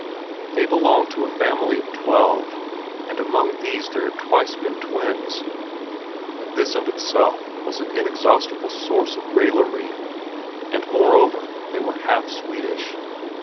They belonged to a family of twelve, and among these there had twice been twins, and this of itself was an inexhaustible source of raillery; and moreover they were half Swedish.